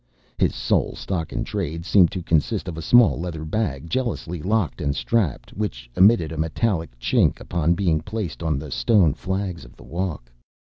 His sole stock in trade seemed to consist of a small leather bag jealously locked and strapped, which emitted a metallic chink upon being placed on the stone flags of the hall.